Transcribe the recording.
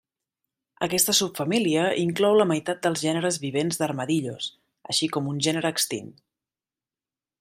Aquesta subfamília inclou la meitat dels gèneres vivents d'armadillos, així com un gènere extint.